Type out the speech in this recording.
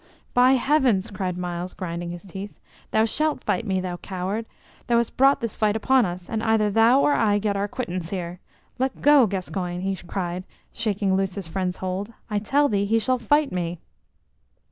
"By heavens!" cried Myles, grinding his teeth, "thou shalt fight me, thou coward! Thou hast brought this fight upon us, and either thou or I get our quittance here. Let go, Gascoyne!" he cried, shaking loose his friend's hold; "I tell thee he shall fight me!"